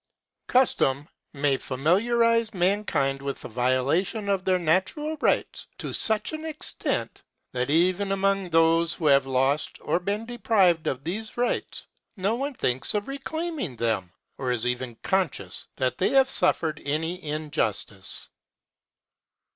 Custom may familiarise mankind with the violation of their natural rights to such an extent, that even among those who have lost or been deprived of these rights, no one thinks of reclaiming them, or is even conscious that they have suffered any injustice.